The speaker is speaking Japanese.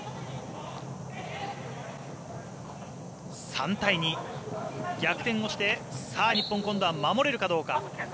３対２、逆転をしてさあ、日本今度は守れるかどうか。